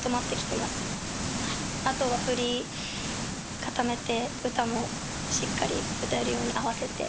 あとは振り固めて歌もしっかり歌えるように合わせて。